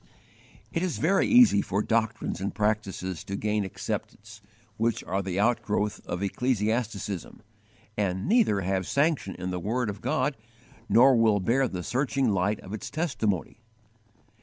"* It is very easy for doctrines and practices to gain acceptance, which are the outgrowth of ecclesiasticism, and neither have sanction in the word of God, nor will bear the searching light of its testimony.